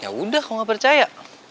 yaudah kok gak percaya